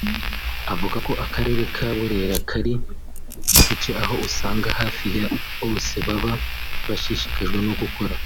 avuga ko Akarere ka Burera kari mu duce aho usanga hafi ya bose baba bashishikajwe no gukora